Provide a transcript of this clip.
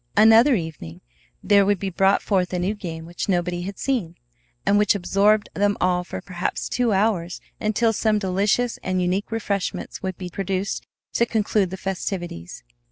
Another evening there would be brought forth a new game which nobody had seen, and which absorbed them all for perhaps two hours until some delicious and unique refreshments would be produced to conclude the festivities.